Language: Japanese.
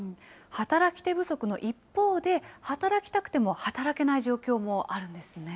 働き手不足の一方で、働きたくても働けない状況もあるんですね。